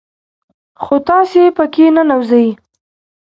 خو تاسو په كي ننوځئ